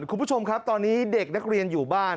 คุณผู้ชมครับตอนนี้เด็กนักเรียนอยู่บ้าน